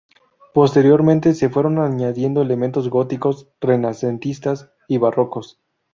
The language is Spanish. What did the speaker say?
Posteriormente se fueron añadiendo elementos góticos, renacentistas y barrocos.